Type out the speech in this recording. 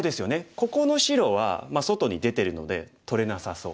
ここの白は外に出てるので取れなさそう。